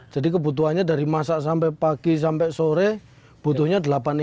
jadi kebutuhannya dari masak sampai pagi sampai sore butuhnya delapan ikat ini